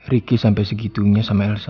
riki sampe segitunya sama elsa